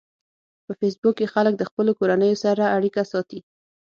په فېسبوک کې خلک د خپلو کورنیو سره اړیکه ساتي